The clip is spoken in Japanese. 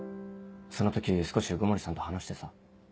その時少し鵜久森さんと話してさ。